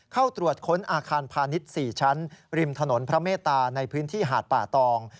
เข้าตรวจค้นอาคารพาณิชย์๔ชั้นริมถนนพระเมตตาในพื้นที่หาดป่าตอง